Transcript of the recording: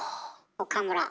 岡村。